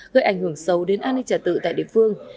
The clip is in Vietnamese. gây ảnh hưởng sâu đến an ninh trả tự tại địa phương